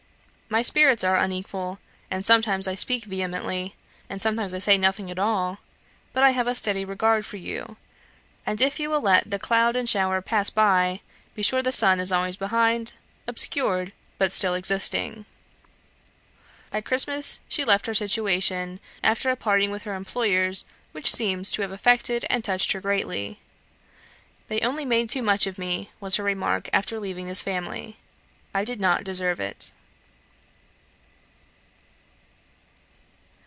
My spirits are unequal, and sometimes I speak vehemently, and sometimes I say nothing at all; but I have a steady regard for you, and if you will let the cloud and shower pass by, be sure the sun is always behind, obscured, but still existing." At Christmas she left her situation, after a parting with her employers which seems to have affected and touched her greatly. "They only made too much of me," was her remark, after leaving this family; "I did not deserve it."